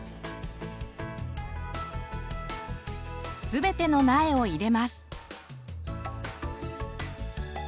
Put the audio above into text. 全ての苗を入れます。